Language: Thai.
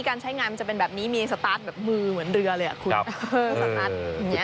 การใช้งานมันจะเป็นแบบนี้มีสตาร์ทแบบมือเหมือนเรือเลยครับคุณ